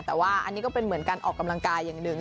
แต่ว่าอันนี้ก็เป็นเหมือนการออกกำลังกายอย่างหนึ่ง